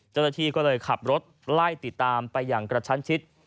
เจ้าหน้าที่ก็เลยขับรถไล่ติดตามไปอย่างกระชั้นชิด